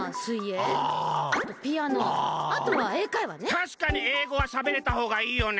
たしかに英語はしゃべれたほうがいいよね。